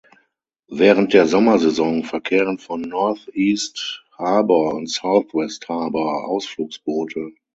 Während der Sommersaison verkehren von Northeast Harbor und Southwest Harbor Ausflugsboote.